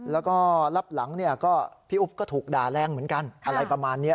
แล้วก็รับหลังเนี่ยก็พี่อุ๊บก็ถูกด่าแรงเหมือนกันอะไรประมาณนี้